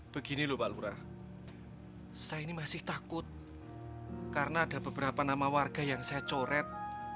begini lho pak lurah saya ini masih takut karena ada beberapa nama warga yang saya coret